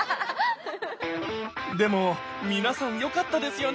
でも皆さん良かったですよね？